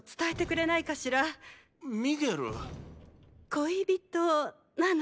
恋人なの。